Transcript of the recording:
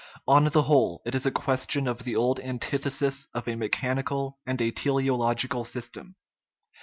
On the whole, it is a question of the old antithesis of a mechanical and a teleological system.